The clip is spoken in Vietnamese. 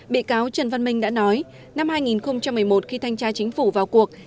bị cáo trần văn minh đã nói năm hai nghìn một mươi một khi thanh tra chính phủ vào cuộc